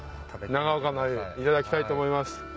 長岡の鮎いただきたいと思います。